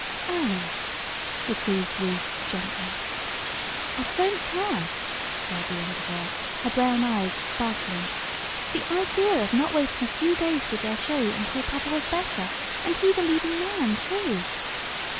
"Alice!" reproved Ruth, gently. "I don't care!" cried the younger girl, her brown eyes sparkling. "The idea of not waiting a few days with their show until papa was better; and he the leading man, too."